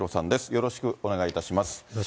よろしくお願いします。